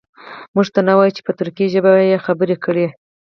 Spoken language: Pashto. موږ ته نه وایي چې په ترکي ژبه یې خبرې کړي.